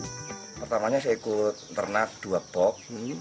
sebenarnya saya ikut ternak dua pok